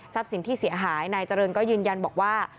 สินที่เสียหายนายเจริญก็ยืนยันบอกว่า